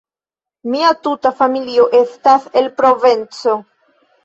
Mia tuta familio estas el Provenco.